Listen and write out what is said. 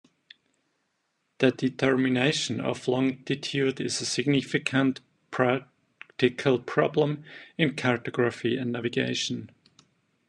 The determination of longitude is a significant practical problem in cartography and navigation.